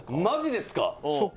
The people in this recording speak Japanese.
「マジですか？」